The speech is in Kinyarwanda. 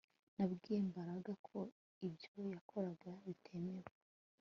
Nabwiye Mbaraga ko ibyo yakoraga bitemewe